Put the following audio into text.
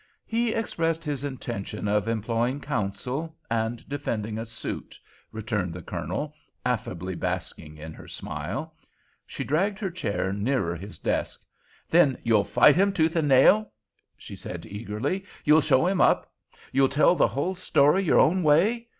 "He expressed his intention of employing counsel—and defending a suit," returned the Colonel, affably basking in her smile. She dragged her chair nearer his desk. "Then you'll fight him tooth and nail?" she said eagerly; "you'll show him up? You'll tell the whole story your own way?